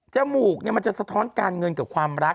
มูกมันจะสะท้อนการเงินกับความรัก